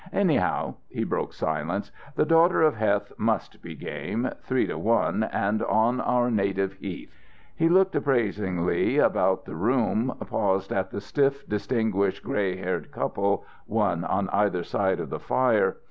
"Anyhow," he broke silence, "the daughter of Heth must be game. Three to one, and on our native heath." He looked appraisingly about the room, pausing at the stiff, distinguished, grey haired couple, one on either side of the fire.